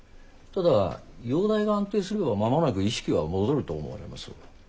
ただ容体が安定すれば間もなく意識は戻ると思われます。